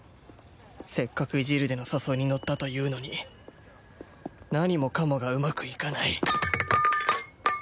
せっかくイジルデの誘いにのったというのに何もかもがうまくいかない